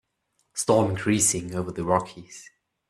Storm increasing over the Rockies.